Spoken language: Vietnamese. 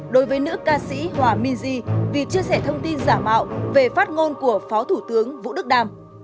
đối với nữ ca sĩ hòa miji vì chia sẻ thông tin giả mạo về phát ngôn của phó thủ tướng vũ đức đam